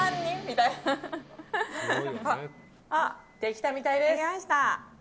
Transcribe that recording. できたみたいです。